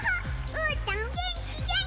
うーたんげんきげんき！